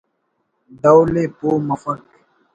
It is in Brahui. ڈول ءِ پہہ مفک